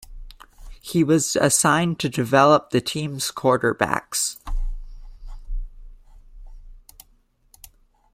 He was assigned to develop the team's quarterbacks.